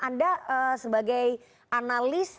anda sebagai analis